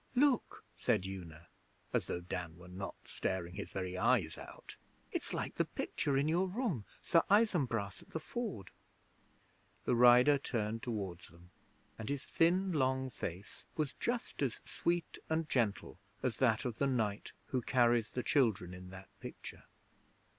'Look!' said Una, as though Dan were not staring his very eyes out. 'It's like the picture in your room "Sir Isumbras at the Ford".' The rider turned towards them, and his thin, long face was just as sweet and gentle as that of the knight who carries the children in that picture.